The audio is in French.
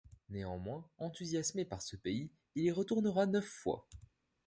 Néanmoins, enthousiasmé par ce pays, il y retournera neuf fois.